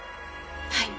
はい。